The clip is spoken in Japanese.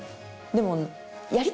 でも。